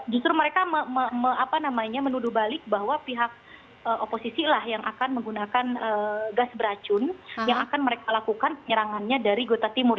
justru mereka menuduh balik bahwa pihak oposisi lah yang akan menggunakan gas beracun yang akan mereka lakukan penyerangannya dari gota timur